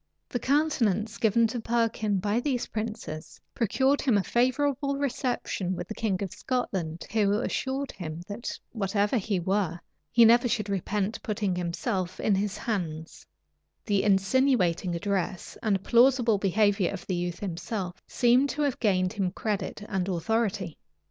The countenance given to Perkin by these princes procured him a favorable reception with the king of Scotland, who assured him, that, whatever he were, he never should repent putting himself in his hands:[*] the insinuating address and plausible behavior of the youth himself, seem to have gained him credit and authority.